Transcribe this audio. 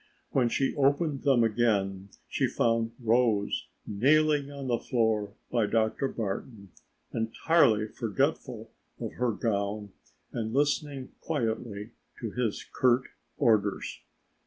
When she opened them again she found Rose kneeling on the floor by Dr. Barton, entirely forgetful of her gown and listening quietly to his curt orders.